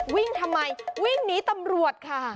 วิ่งทำไมวิ่งหนีตำรวจค่ะ